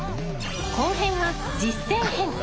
後編は実践編。